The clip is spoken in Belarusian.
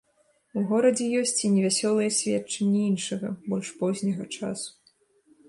У горадзе ёсць і невясёлыя сведчанні іншага, больш позняга часу.